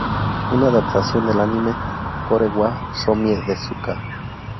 Una adaptación al anime de "Kore wa Zombie Desu ka?